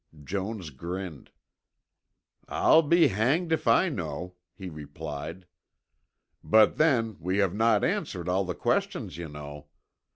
Jones grinned. "I'll be hanged if I know," he replied. "But then we have not answered all the questions, you know.